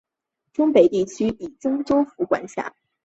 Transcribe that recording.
忠北地区由忠州府管辖。